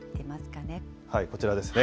こちらですね。